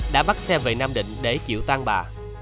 đã bắt xe về nam định để chịu tan bà